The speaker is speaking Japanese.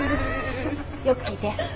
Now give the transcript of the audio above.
よく聞いて。